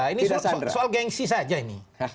ini soal gengsi saja ini